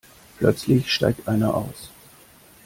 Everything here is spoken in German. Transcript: Plötzlich steigt einer aus.